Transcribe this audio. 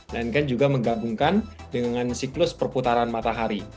maka juga menggabungkan dengan siklus perputaran matahari